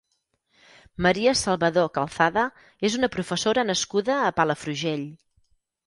Maria Salvador Calzada és una professora nascuda a Palafrugell.